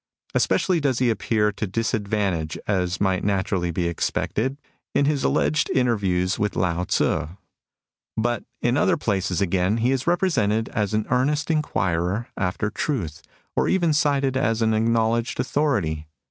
Especially does he appear to dis (uivantage, as might naturally be expected, in 26 MUSINGS OP A CHINESE MYSTIC his alleged interviews with Lao Tzu.* But in other places again he is represented as an earnest inquirer after truth, or even cited as an acknowledged authority.